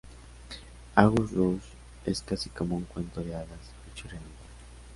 August Rush es casi como un cuento de hadas hecho realidad.